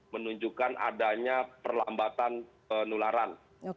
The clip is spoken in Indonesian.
menunjukkan adanya perlambatan penularan